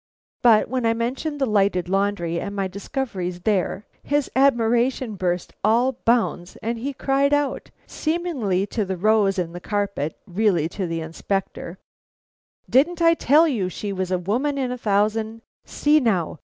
But when I mentioned the lighted laundry and my discoveries there, his admiration burst all bounds, and he cried out, seemingly to the rose in the carpet, really to the Inspector: "Didn't I tell you she was a woman in a thousand? See now!